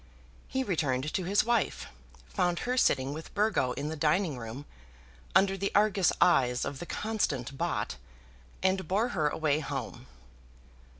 He returned to his wife, found her sitting with Burgo in the dining room, under the Argus eyes of the constant Bott, and bore her away home.